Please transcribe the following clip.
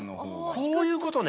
こういうことね。